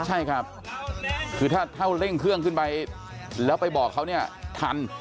ใช่ครับคือถ้าเท่าเร่งเครื่องขึ้นไปแล้วไปบอกเขาเนี่ยทัน